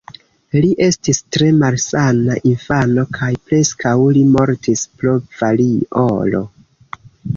Li estis tre malsana infano kaj preskaŭ li mortis pro variolo.